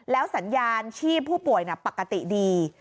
สัญญาณชีพผู้ป่วยปกติดี